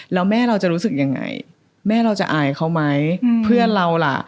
แล้วแม่เราจะรู้สึกยังไงแม่เราจะอายเขาไหมเพื่อนเราล่ะ